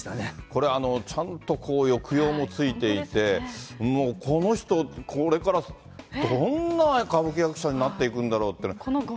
これ、ちゃんと抑揚もついていて、もう、この人、これからどんな歌舞伎役者になっていくんだろうって。